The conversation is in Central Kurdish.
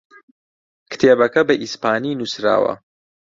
کتێبەکە بە ئیسپانی نووسراوە.